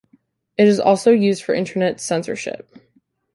It is also used for Internet censorship.